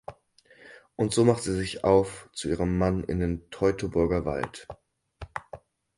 Und so macht sie sich auf zu ihrem Mann in den Teutoburger Wald.